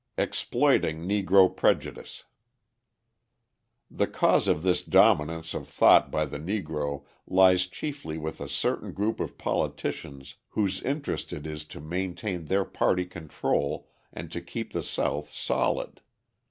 Exploiting Negro Prejudice The cause of this dominance of thought by the Negro lies chiefly with a certain group of politicians whose interest it is to maintain their party control and to keep the South solid.